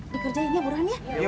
dikerjainnya buruan ya